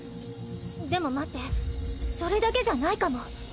でも待ってそれだけじゃないかも。